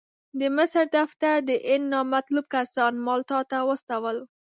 د مصر دفتر د هند نامطلوب کسان مالټا ته واستول.